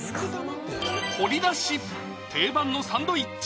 掘り出し定番のサンドイッチ